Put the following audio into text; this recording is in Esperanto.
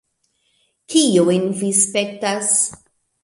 Kiujn vi spektas?